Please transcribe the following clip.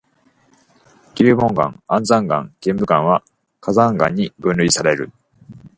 流紋岩、安山岩、玄武岩は火山岩に分類される。